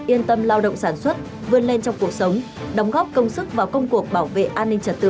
yên tâm lao động sản xuất vươn lên trong cuộc sống đóng góp công sức vào công cuộc bảo vệ an ninh trật tự